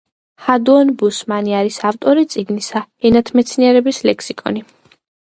ჰადუმოდ ბუსმანი არის ავტორი წიგნისა ენათმეცნიერების ლექსიკონი.